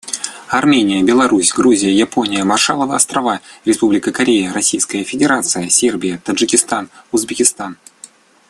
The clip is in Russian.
Армения, Беларусь, Грузия, Япония, Маршалловы Острова, Республика Корея, Российская Федерация, Сербия, Таджикистан, Узбекистан.